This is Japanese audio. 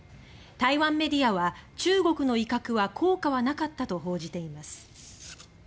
台湾メディアは「中国の威嚇は効果はなかった」と報じています。